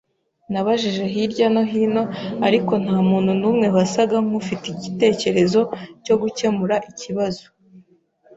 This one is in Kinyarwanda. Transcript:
Nabajije hirya no hino, ariko nta muntu numwe wasaga nkufite igitekerezo cyo gukemura ikibazo .